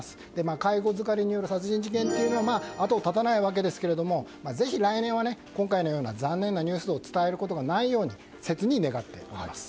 介護疲れによる殺人事件は後を絶たないわけですがぜひ、来年は今回のような残念なニュースを伝えることがないように切に願っております。